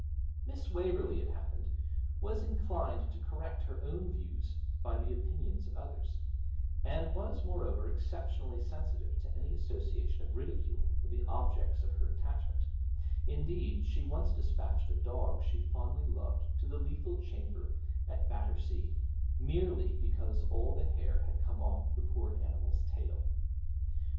Miss Waverley, it happened, was inclined to correct her own views by the opinions of others, and was, moreover, exceptionally sensitive to any association of ridicule with the objects of her attachment indeed, she once despatched a dog she fondly loved to the lethal chamber at Battersea, merely because all the hair had come off the poor animal's tail!